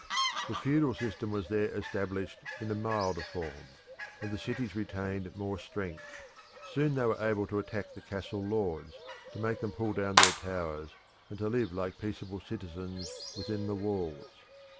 The feudal system was there established in a milder form, and the cities retained more strength. Soon they were able to attack the castle lords, to make them pull down their towers, and to live like peaceable citizens within the walls.